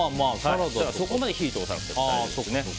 そこまで火を通さなくても大丈夫です。